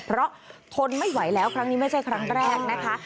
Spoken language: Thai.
เพราะทนไม่ไหวแล้วครั้งนี้ไม่ใช่ครั้งแรกนะคะ